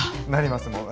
なります。